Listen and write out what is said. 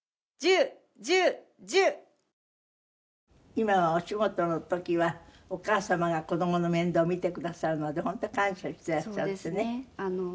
今はお仕事の時はお母様が子供の面倒を見てくださるので本当に感謝していらっしゃるってね。